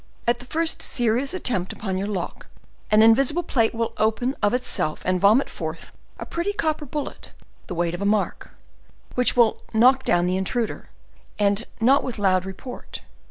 At the first serious attempt upon your lock, an invisible plate will open of itself and vomit forth a pretty copper bullet the weight of a mark—which will knock down the intruder, and not with a loud report.